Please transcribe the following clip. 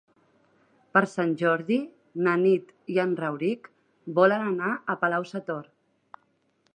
Per Sant Jordi na Nit i en Rauric volen anar a Palau-sator.